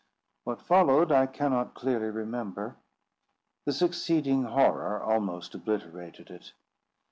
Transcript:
What followed I cannot clearly remember. The succeeding horror almost obliterated it.